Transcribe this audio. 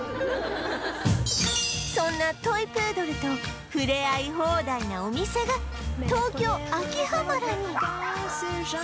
そんなトイ・プードルと触れ合い放題なお店が東京秋葉原に